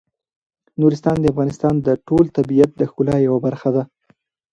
نورستان د افغانستان د ټول طبیعت د ښکلا یوه برخه ده.